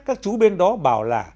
các chú bên đó bảo là